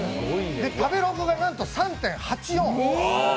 食べログがなんと３．８４。